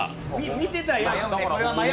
見てたやん。